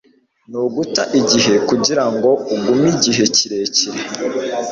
Ni uguta igihe kugirango ugume igihe kirekire.